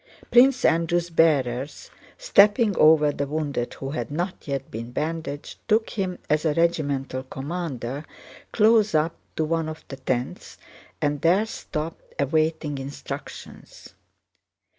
Prince Andrew's bearers, stepping over the wounded who had not yet been bandaged, took him, as a regimental commander, close up to one of the tents and there stopped, awaiting instructions.